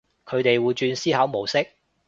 佢哋會轉思考模式